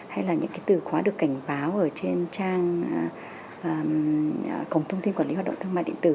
hay là những cái từ khóa được cảnh báo ở trên trang cổng thông tin quản lý hoạt động thương mại điện tử